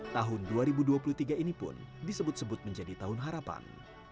tahun dua ribu dua puluh tiga ini pun disebut sebut menjadi tahun harapan